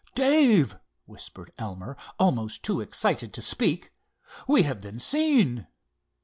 "Dave," whispered Elmer, almost too excited to speak, "we have been seen!"